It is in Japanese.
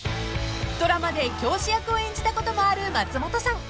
［ドラマで教師役を演じたこともある松本さん］